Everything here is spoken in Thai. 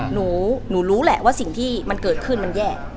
หนูรู้แหละว่าสิ่งที่มันเกิดขึ้นมันแย่